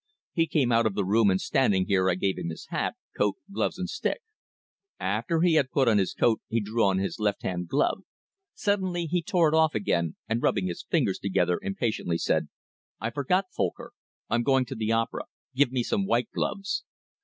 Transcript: He came out of the room and standing here I gave him his hat, coat, gloves and stick. After he had put on his coat he drew on his left hand glove. Suddenly he tore it off again, and rubbing his fingers together impatiently, said: 'I forgot, Folcker! I'm going to the opera, give me some white gloves.'